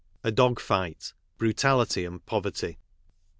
A DOG FIGHT: BRUTALITY AND POVERTY.